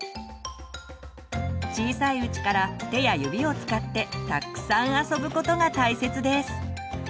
小さいうちから手や指を使ってたっくさん遊ぶことが大切です。